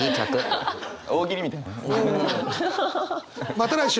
また来週。